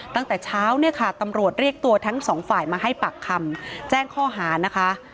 ตั้งแต่เช้าเนี่ยค่ะตำรวจเรียกตัวทั้งสองฝ่ายมาให้ปากคำแจ้งข้อหานะคะ